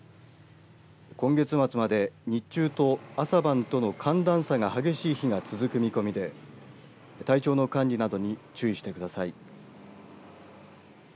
今月末まで日中と朝晩との寒暖差が激しい日が続く見込みで体調の管理などに注意してください。